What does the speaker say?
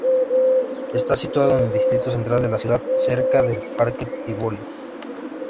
Está situado en el distrito central de la ciudad, cerca del parque Tivoli.